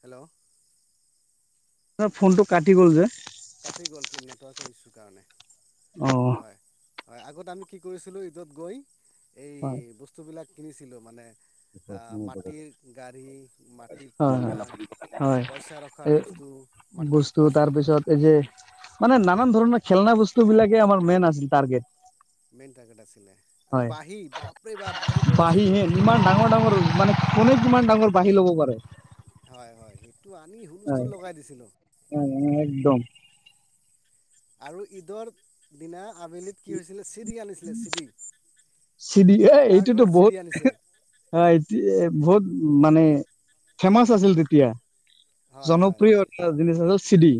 Hello ফোনটো কাটি গ'ল যে কাটি গ'ল কি নেটৱৰ্কৰ ইছ্যু কাৰণে অ', হয় হয় আগত আমি কি কৰিছিলো ঈদত গৈ এই হয়, বস্তুবিলাক কিনিছিলোঁ মানে আহ মাটিৰ গাড়ী মাটিৰ হয়, পুতলা হয়, হয়। পইচা ৰখাৰ এই বস্তু মাটিৰ বস্তু পইচা তাৰ ৰখাৰ পিছত এই যে মানে নানান ধৰণৰ খেলনা বস্তু বিলাকে আমাৰ মেইন আছিল টাৰ্গেট [unintelligible] হয় বাঁহী বাপৰে বাপ বাঁহী পাহি বজাইছিলোঁ হে ঈদৰ ইমান পৰা আহি ডাঙৰ ডাঙৰ মানে কোনে কিমান ডাঙৰ বাঢ়ি ল'ব পাৰে হয় হয় আনি হুলস্থুল হয় লগাই দিছিলোঁ একদম আৰু ঈদৰ দিনা আবেলিত কি হৈছিলে চিৰি আনিছিলে চিৰি চিৰি কাৰ এইটোতো ঘৰত চিৰি বহুত আনিছে অ বহুত মানে ফেমাচ আছিল তেতিয়া হয় হয় জনপ্ৰিয় হয় এটা জ আছিল চিডি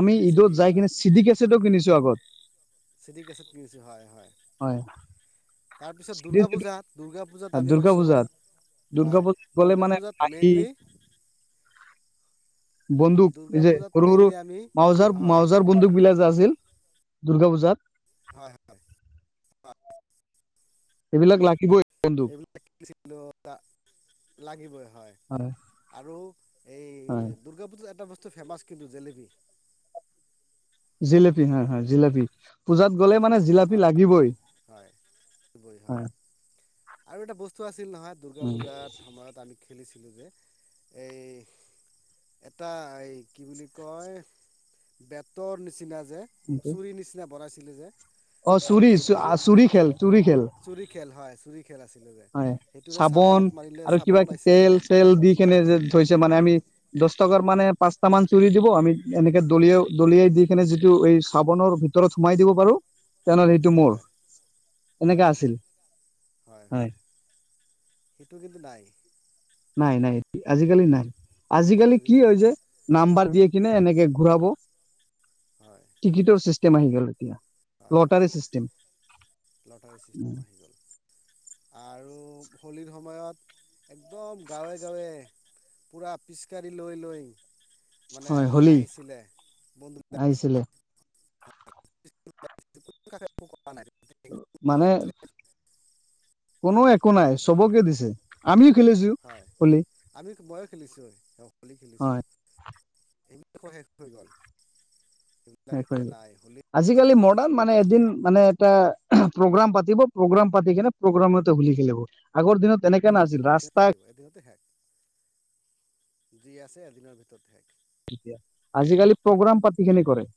আমি চিডি ঈদত যাই কিনে চিডি কেছেটটো কিনিছো আগত চিছত কিনিছো হয়, হয়। তাৰপিছত চিডি দুূৰ্গা যিটো পূজাত। পূজাত আমি দুৰ্গা গৈছো পূজাত, দুৰ্গা হয়। পূজাত গ'লে দুৰ্গা মানে পূজাত আহি মেইনলি। [unintelligible] বন্দুক দুৰ্গা এই যে পূজাত সৰু সৰু মেইনলি আমি মাউজাৰ হয় মউজাৰ বন্দুক বিলাক। আছিল দুৰ্গা পূজাত। হয়, হয়। এইবিলাক লাগি বৈ। [unintelligible] লাগিবই হয় আৰু হয় এই দুূৰ্গা পুজা এটা বস্তু- ফেমাছ কিন্তু জেলেপি। জিলেপি হা হা জিলেপি পূজাত গ'লে হেল্ল' মানে জিলাপী হয় লাগিবই। হয় হয় আৰু এটা বস্তু আছিল নহয় দুূৰ্গা উম, পূজাৰ সময়ত আমি। খেলিছিলোঁ যে এই। এটা এই কি বুলি কয় বেতৰ নিচিনা। যে এইটো। চুৰি নিচিনা বনাইছিলে যে। অ আৰু চুৰি চ সেইটোৰে চুৰি খেল চুৰি খেল। চুৰি খেল হয় চুৰি খেল আছিলে যে হয় সেইটোৰে চাবোন চাবানত মাৰিলে আৰু চাবোন কিবা পাইছে তেল চেল দি কেনে যে থয়ছে মানে আমি। দহ টকাৰ মানে পাঁচটা মান চুৰি দিব। আমি এনেকে দলিয়াই দলিয়াই দি কিনে যিটো এই চাবোনৰ ভিতৰত সোমাই দিব পাৰো, তেনেহ'লে সেইটো মোৰ হয় এনেকা হয় আছিল। হয় হয় [unintelligible] নাই। নাই। আজিকালি নাই এ, আজিকালি কি হয় নাই যে নাম্বাৰ দিয়ে। কিনে এনেকে ঘূৰাব হয় টিকিটৰ চিষ্টেম আহি গ'ল এতিয়া। হয়, হয় লটাৰী চিষ্টেম লটাৰীম আহি গ'ল আৰু হোলীৰ সময়ত একদম গাঁৱে গাঁৱে। পুৰা পিচকাৰি লৈ লৈ মানে হয় হলী আহিছিলে বন্ধুবিলাকে। আহিছিলে [unintelligible] মানে কোনো একো নাই চবকে দিছে। আমি- হয় আমি ময়ো খেলিছিলোঁ, হোলী হয় খেলিছিলোঁ। এইবিলাকো শেষ হৈ গ'ল। এইবিলাক শেষ হৈ এতিয়া গ'ল। নাই হোলী আজিকালি মডাৰ্ণ মানে এদিন মানে। এটা প্ৰগ্ৰাম পাতিব। প্ৰগ্ৰাম পাতি কিনে প্ৰগ্ৰামতে হোলী খেলিব আগৰ দিনত তেনেকে। নাছিল দিনত ৰাস্তা। খেলিব এদিনতে শেষ যি আছে এদিনৰ ভিতৰত শেষ। আজিকালি প্ৰগ্ৰাম পাতি কিনে কৰে।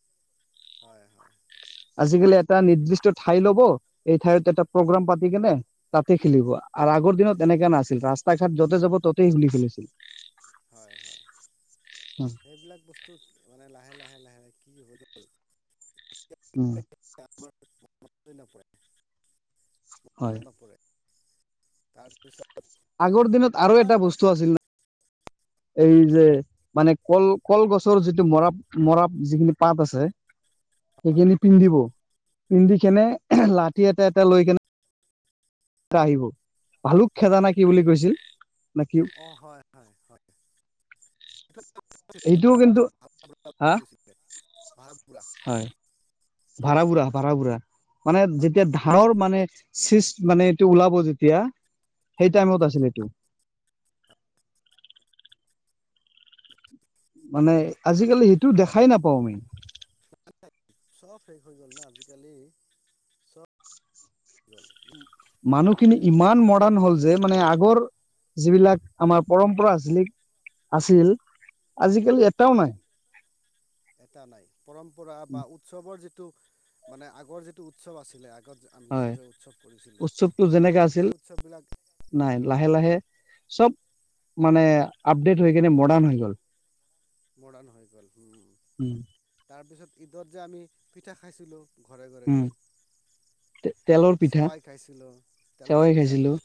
হয়, হয়। আজিকালি এটা নিৰ্দিষ্ট ঠাই ল'ব। এই ঠাইত এটা প্ৰগ্ৰাম পাতি কেনে তাতে খেলিব। আৰু আগৰ তাতে দিনত খেলিব এনেকা নাছিল ৰাস্তা ঘাট য'তে যাব। ততেই হোলী খেলিছিল। হয় হয় সেইবিলাক বস্তু মানে লাহে লাহে লাহে কি হৈ গ'ল। উম। প্ৰভাৱেই নপৰে। হয় প্ৰভাৱ নপৰে। তাৰ পিছত। আগৰ দিনত আৰু এটা বস্তু আছিল না এই। যে মানে কল কলগছৰ যিটো মৰা মৰা যিখিনি পাত আছে। সেইখিনি পিন্ধিব পিন্ধি কেনে লাঠি এটা এটা লৈ কেনে। আহিব ভালুক খেদানা কি বুলি কৈছিল। নাকিও। অ হয় হয় হয় হা [unintelligible] ভাৰা বুৰা, ভাৰা বুৰা। মানে যেতিয়া ধাৰৰ মানে চিষ্ট মানে, এইটো ওলাব যেতিয়া। সেই টাইমত আছিল এইটো। [unintelligible] মানে আজিকালি সেইটো দেখাই নাপাওঁ আমি। চব শেষ হৈ গল না আজিকালি চব গল [unintelligible] মানে মানুহখিনি ইমান মডাৰ্ণ হ'ল যে মানে আগ আগৰ যিবিলাক আমাৰ পৰম্পৰা আছিলে আছিল আজিকালি এটাও নাই। এটা নাই পৰম্পৰা বা উৎসৱৰ যিটো মানে আগৰ যিটো উৎসৱ আছিলে আগত আমি হয় যেনেকে উৎসৱ কৰিছিলো উৎসৱটো যেনেকা আছিল সেই উৎসৱ বিলাক নাই। লাহে লাহে চব মানে আপডেট হৈ কেনে মডাৰ্ণ হৈ গ'ল। মডাৰ্ণ হৈ গ'ল। তাৰপিছত ঈদত যে আমি পিঠা খাইছিলোঁ ঘৰে ঘৰে গৈ তে তেলৰ পিঠা চেৱাই খাইছিলোঁ তেলৰ চেৱাই পিঠা খাইছিলো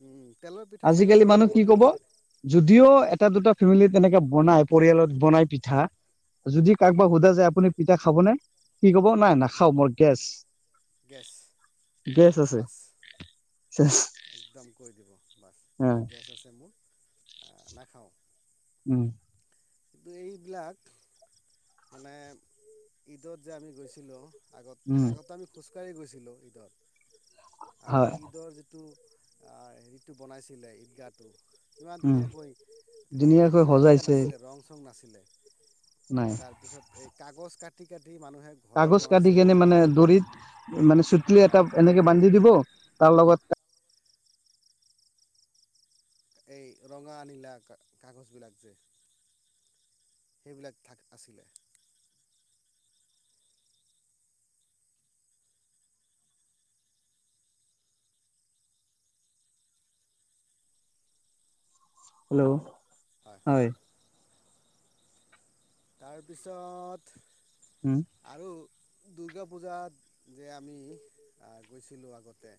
উম তেলৰ পিঠা চাগে আজিকালি কোনেও মানুহ কি নবনায় কব, আজিকালি যদিও এটা দুটা ফেমিলি তেনেকে বনাই, পৰিয়ালত বনাই পিঠা। যদি কাৰোবাক উম, সোধা যায় আপুনি এতিয়া খাব নে? সি ক'ব নাই নাখাও মোৰ গেছ। গেছ গেছ আছে বাছ চেছ একদম কৈ দিব। বাছ অ গেছ আছে মোৰ। এ নাখাওঁ উম কিন্তু এইবিলাক মানে ঈদত যে আমি গৈছিলোঁ আগত উম আগতে আমি খোজকাঢ়ি গৈছিলো ঈদত আৰু হয় ঈদৰ যিটো আহ হেৰিটো বনাইছিলে ঈদগাহটো ইমান উম ধুনীয়াকৈ তেতিয়া ধুনীয়াকৈ কিন্তু এনেকুৱা সজাইছে নাছিলে ৰং চং নাছিলে। নাই তাৰ পিছত এই কাগজ কাটি- কাটি মানুহে ঘৰত কাগজ কাটি বনাইছিলে কেনে মানে, দৰিত মানে চুতলি এটা হয় এনেকে বান্ধি দি তাৰ লগত এই ৰঙা নীলা কাগজ বিলাক যে সেইবিলাক থাক আছিলে হেল্ল' হয়। তাৰপিছত উম আৰু দুৰ্গা পূজাত যে আমি গৈছিলোঁ আগতে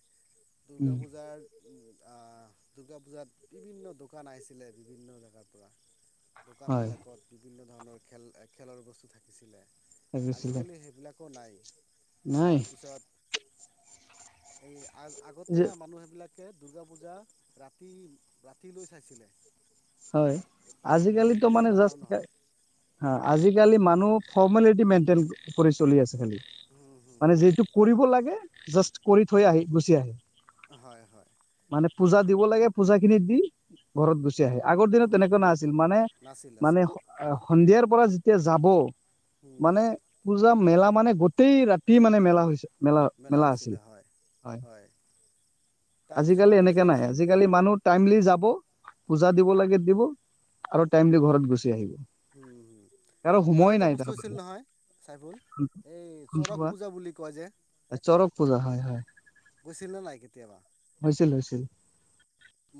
দুূৰ্গা উম পূজাৰ উ দুৰ্গা পূজাত বিভিন্ন দোকান আহিছিলে। বিভিন্ন জেগাৰ পৰা দোকান হয় বিলাকত বিভিন্ন ধৰণৰ খেল খেলৰ বস্তু থাকিছিলে লাগিছিলে আজিকালি সেইবিলাকো নাই। নাই তাৰপিছত এই আ আগত যে না মানুহেইবিলাক দুৰ্গা পূজা ৰাতি, ৰাতিলৈ চাইছিলে। হয়। এতিয়া আজিকালিতো কিন্তু মানে সিমান মানুহ জাস্ত নহয় আজিকালি মানুহ ফৰ্মেলিটি মেইনটেইন কৰি চলি আছে। হুম হুম মানে যিটো কৰিব লাগে, জাষ্ট কৰি থৈ আহি গুচি আহে। হয়। হয়। মানে পূজা দিব লাগে, পূজা খিনি দি ঘৰত গুচি আহে। আগৰ দিনত গ তেনেকুৱা নাছিল। মানে নাছিল মানে নাছিল সন্ধিয়াৰ পৰা যেতিয়া যাব উম মানে পূজা মেলা মানে গোতেেই ৰাতি মানে মেলা হৈছে মেলা মেলা আছিল। হৈছিলে হয় হয় তাৰপিছত আজিকালি আমি এনেককাে যে নাই। যে আজিকালি মানুহ টাইমলি যাব। পূজা দিব লাগে দিব আৰু টাইমলি ঘৰত গুচি আহিব। উম হুম। কাৰো আৰু সময় এটা নাই বস্তু হৈছিল তাৰমানে নহয় চাইফুল, এই চৰক কোনটোবা পূজা বুলি কয় যে চৰক পূজা হয়-হয়। ছিল নাই কেতিয়াবা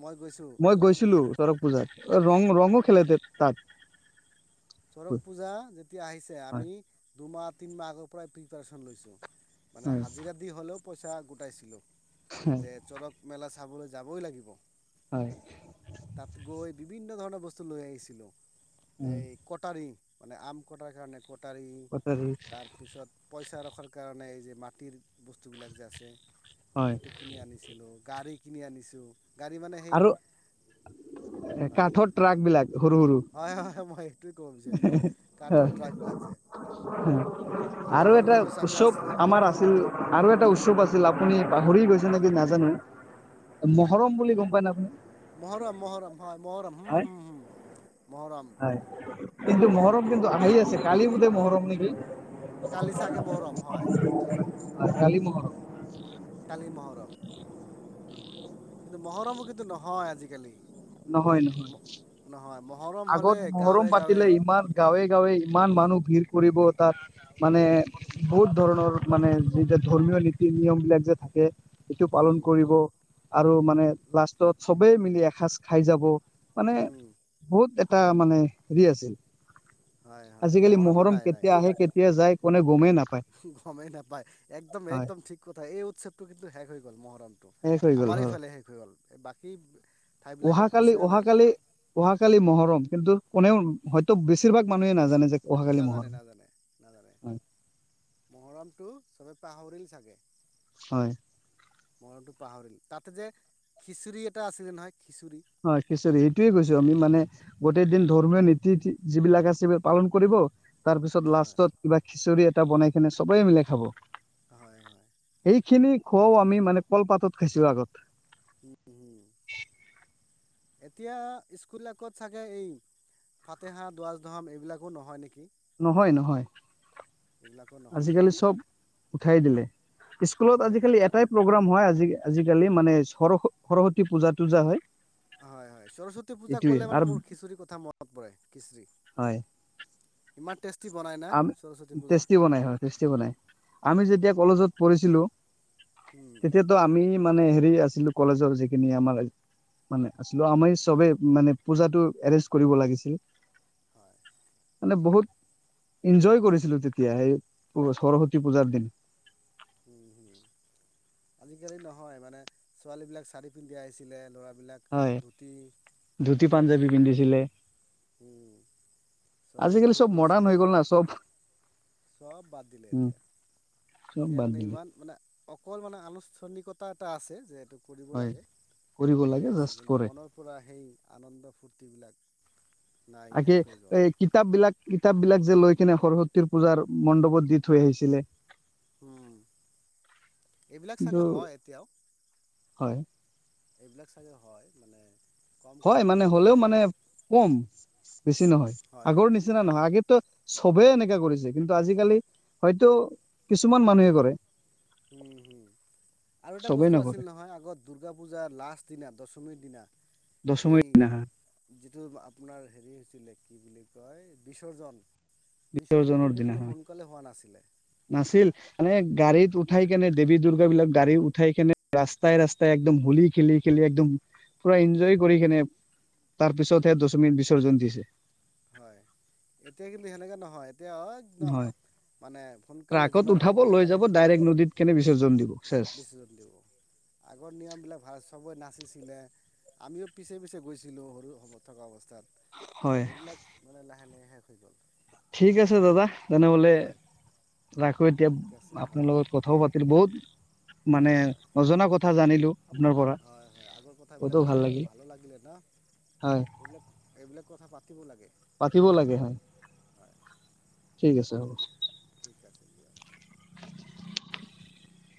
মই গৈছোঁ মই চৰক গৈছিলো পূজাত চৰগ পূজাত। ৰং-ৰংও খেলেতে তাত। চৰক হয় পূজা যেতিয়া আহিছে, হয় আমি দুমাহ তিনিমাহ আগৰ পৰাই প্ৰিপেৰেতন লৈছো। মানে হাজিৰা দি হ'লেও পইচা গোটাইছিলো হয় যে চৰক মেলা চাবলৈ যাবই লাগিব হয় তাত গৈ বিভিন্ন ধৰণৰ বস্তু লৈ আহিছিলো, উম, এই কটাৰী মানে আম কটাৰ কাৰণে। কটাৰী কটাৰী তাৰপিছত পইচা ৰখাৰ কাৰণে এই যে মাটিৰ বস্তুবিলাক যে আছে। হয় সেইটো কিনি আনিছিলো, গাড়ী কিনি আনিছো। আৰু কাঠৰ ট্ৰাক বিলাক। সৰু সৰু হয়-হয় মই এইটোে ক'ব বিচাৰিছিলো কাঠৰ হ ট্ৰাক বিলাক যে এইটো আৰু সৰু এটা সৰু চাকা উৎসৱ আছিলে আমাৰ আছিল আৰু এটা উৎস চব আছিল আপুনি পাহৰি গৈছে নেকি নাজানো মহৰম বুলি গম পায় ন আপুনি? মহৰম-মহৰম হয় হয় মহৰম-মহৰম। হয় কিন্তু মহৰম কিন্তু আহি আছে, কালি বোধে মহৰম নেকি? কালি চাগে মহৰম হয় কালি মহৰম। কালি মহৰম কিন্তু মহৰমুখী নহয় আজিকালি। নহয়, ম নহয় নহয় মহৰম হ'লে আগত মহৰম গাঁৱে পাতিলে গাঁৱে ইমান গাঁৱে-গাঁৱে। ইমান মানুহ ভিৰ কৰিব তাত মানে বহুত ধৰণৰ মানে যিয়া ধৰ্মীয় নীতি নিয়ম বিলাক যে থাকে। এইটো উম পালন কৰিব আৰু মানে লাষ্টত চবেই মিলি এসাঁজ খাই যাব। মানে [inaudible] বহুত এটা মানে হেৰি আছিল হয় হয় আজিকালি মহৰমটো মহৰম নাই নাই কেতিয়া আহে কেতিয়া যায়। কোনে গমেই নাপায় গমেই নাপায় একদম, হয় একদম ঠিক কথা এই উৎসৱটো কিন্তু হে হৈ গ'ল মহৰমটো। শেষ হৈ গ'ল আমাৰ এইফালে শেষ হৈ গ'ল এ বাকী। ঠাইবিলাকত উহাকালি, আছে নাই উহাকালি অহাকালি মহৰম কিন্তু কোনেও হয়তো বেছিভাগ মানুহে নাজানে যে অহাকালি নাজানে, মহৰম নাজানে, নাজানে হয় মহৰমটো চবে পাহৰিলে। থাকে। হয়। মৰণটো পাহৰিল তাতে যে খিচিৰি এটা আছিল যে নহয়। খিচিৰি অ' একচুৱেলী এইটোয়ে কৈছো আমি মানে গোটেই দিন ধৰ্মীয় নীতি যিবিলাক আছে, পালন কৰিব তাৰ পিছত হয় লাষ্টত কিবা খিচৰি এটা বনাই কিনে সবেই মিলাই খাব। হয়-হয়। সিখিনি খোৱাও আমি মানে কলপাতত খাইছো আগত উম উম। এতিয়া স্কুলবিলাক ক'ত চাগে এই ফাতেহাহ, দুৱছ ধাম এইবিলাকো নহয় নেকি? নহয়, নহয় এইবিলাকো নহয় আজিকালি চব উঠাই দিলে। স্কুলত উঠাই দিল আজিকালি তাৰ এটাই প্ৰগ্ৰাম হয় আজিালি আজিকালি মানে সৰ সৰস্বতী পূজা-তূজা হয়। হয়, হয় সৰস্বতী পূজা এইটোয়ে কলে মানে আৰু মোৰ খিচৰি কথা মনত পৰে খিচৰি হয়। [unintelligible] না সৰস্বতী পূজাত টেষ্টি বনাই হয়, টেষ্টি বনাই আমি যেতিয়া কলেজত পঢ়িছিলো। উম তেতিয়াতো আমি মানে হেৰি আছিলো কলেজৰ যিখিনি আমাৰ মানে আছিলো আমাৰ চবে মানে পূজাতটো এৰেঞ্জ কৰিব লাগিছিল। হয় মানে বহুত এনজয় কৰিছিলো তেতিয়া সেই সৰস্বতী পূজাৰ দিন। উম হম আজিকালি নহয় মানে ছোৱালী বিলাক চাৰি পিন্ধি আহিছিলে ল'ৰা বিলাক হয় ধুতি ধুতি পাঞ্জাবী পিন্ধিছিলে উম। চবেই আজিকালি ফুট চব মডাৰ্ণ লৈছিলে হৈ গ'ল না চব চব বাদ দিলে উম এতিয়া চব এতিয়া বাদ মানে দিলে ইমান শুনা অকল মানে আনুষ্ঠানিকতা এটা আছে যে এইটো কৰিব হয় লাগে কৰিব কৰি লাগে আছে, জাষ্ট কিন্তু কৰে মনৰ পৰা সেই আনন্দ ফুৰ্ত টি বিলাক তাকে এই কিতাপ বিলাক কিতাপ বিলাক যে লৈ কিনে সৰস্বতীৰ পূজাৰ মণ্ডপত দি থৈ আহিছিলে উম এইবিলাক কিন্তু চাগে হয় এতিয়াও। হয় এইবিলাক চাগে হয় মানে কমকৈ হয় মানে হ'লেও হয় মানে আৰু কম। বেছি নহয়, হয় আগৰ নিচিনা হয় নহয় আগো সবেই এনকা কৰিছে কিন্তু আজিকালি হয়তো কিছুমান মানুহে কৰে। উম হম আৰু এটা চবেই বস্তু আছিল নকৰে নহয় আগত দূৰ্গা পূজাৰ লাষ্ট দিনা দ পমীৰ দিনা দশমীৰ দিনাখন এই যিটো আপোনাৰ হেৰি ছিলে কি বুলি কয় বিসৰ্জন বিসৰ্জনটো বিসৰ্জনৰ কিন্তু দিনাখন সোনকালে হোৱা নাছিলে নাছিল মানে গাড়ীত উঠ উঠাই কেনে দেৱী দুৰ্গা বিলাক গাড়ী উঠাই কেনে ৰাস্তাই ৰাস্তাই একদম হোলি খেলি খেলি একদম পুৰা এনজয় কৰি কিনে তাৰ পিছতহে দশমী বিসৰ্জন দিছে। হয়, এতিয়া কিন্তু সেনেকে নহয়। এতিয়া একদম হয় মানে সোনকালে যিমান সোনকালে পাৰে। জন দিব [inaudible] দিব আগৰ নিয়মবিলাক ভাল চব না আছিলে আমিও পিছে- পিছে গৈছিলো সৰু থকা হয় অৱস্থাত। এইবিলাক মানে লাহে লাহে শেষ হৈ গ'ল। ঠিক আছে দাদা তেনেহলে। হয় ৰাখো এতিয়া ঠিক আছে আপোনাৰ হয় লগত ৰাখক কথাও হয় পাতিলো বহুত। মানে হয় হয় নজনা কথা জানিলো। আপোনাৰ পৰা হয় হয় আগৰ বহুতো কথাবিলাক ভাল পাতিলো লাগিল ভালো লাগিলে ন হয় এইবিলাক, এইবিলাক কথা পাতিব লাগে। পাতিব লাগে হয়। হয় ঠিক আছে হ'ব। [inaudible]